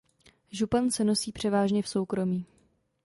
Župan se nosí převážně v soukromí.